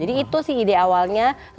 jadi itu sih ide apa yang kita lakukan